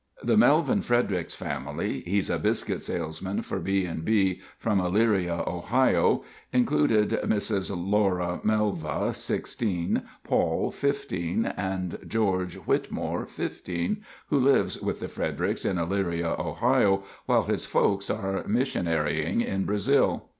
The Melvin Fredericks family (he's a biscuit salesman for B & B from Elyria, Ohio) included Mrs. Laura, Melva, 16, Paul, 15, and George Whitmore, 15, who lives with the Fredericks in Elyria, Ohio, while his folks are missionarying in Brazil.